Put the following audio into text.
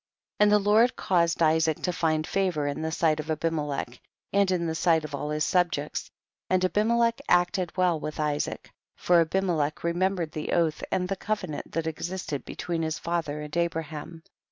12. And the Lord caused Isaac to find favor in the sight of Abimelech, and in the sight of all his subjects, and Abimelech acted well with Isaac, for Abimelech remembered the oath and the covenant that existed be tween his father and Abraham.